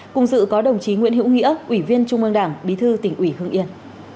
cùng sự có đồng chí nguyễn hiễu nghĩa ủy viên trung mương đảng bí thư tỉnh ủy hương yên